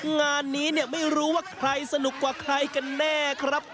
งานนี้เนี่ยไม่รู้ว่าใครสนุกกว่าใครกันแน่ครับ